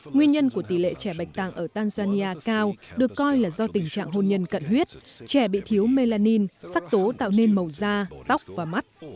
nguyên nhân của tỷ lệ trẻ bạch tạng ở tanzania cao được coi là do tình trạng hôn nhân cận huyết trẻ bị thiếu melanin sắc tố tạo nên màu da tóc và mắt